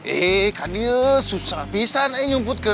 eh kan dia susah pisan nyumput ke rumah